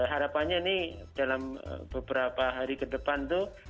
harapannya ini dalam beberapa hari ke depan tuh